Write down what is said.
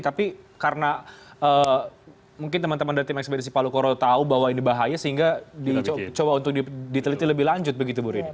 tapi karena mungkin teman teman dari tim ekspedisi palu koro tahu bahwa ini bahaya sehingga dicoba untuk diteliti lebih lanjut begitu bu rini